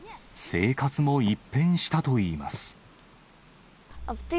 生活も一変したといいます。